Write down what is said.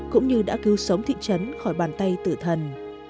cũng như đã cứu sống thị trấn khỏi bàn tay tử thần